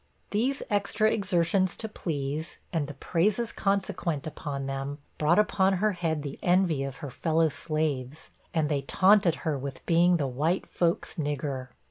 These extra exertions to please, and the praises consequent upon them, brought upon her head the envy of her fellow slaves, and they taunted her with being the 'white folks' nigger.'